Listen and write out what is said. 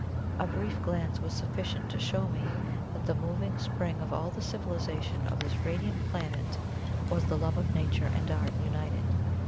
A brief glance was sufficient to show me that the moving spring of all the civilization of this radiant planet was the love of Nature and Art united.